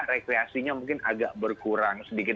rekreasinya mungkin agak berkurang sedikit